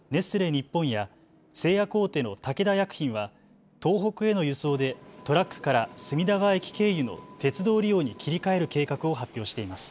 日本や製薬大手の武田薬品は東北への輸送でトラックから隅田川駅経由の鉄道利用に切り替える計画を発表しています。